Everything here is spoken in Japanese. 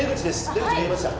出口見えました。